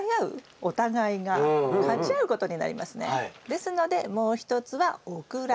ですのでもう一つはオクラ。